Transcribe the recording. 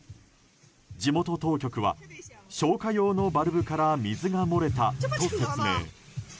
地元当局は消火用のバルブから水が漏れたと説明。